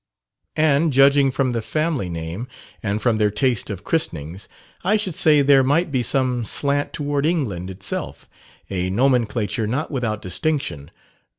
"And, judging from the family name, and from their taste at christenings, I should say there might be some slant toward England itself. A nomenclature not without distinction.